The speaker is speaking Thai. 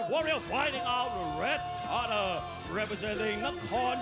สวัสดีครับทุกคน